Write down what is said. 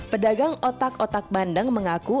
pedagang otak otak bandeng mengaku